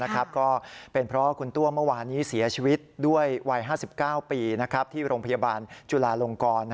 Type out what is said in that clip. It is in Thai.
ก็เป็นเพราะคุณตัวเมื่อวานนี้เสียชีวิตด้วยวัย๕๙ปีที่โรงพยาบาลจุลาลงกร